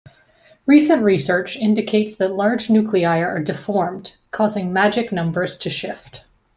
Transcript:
Recent research indicates that large nuclei are deformed, causing magic numbers to shift.